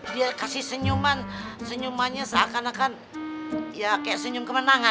dia kasih senyuman senyumannya seakan akan ya kayak senyum kemenangan